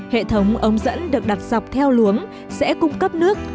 hệ thống ống dẫn được đặt dọc theo luống sẽ cung cấp nước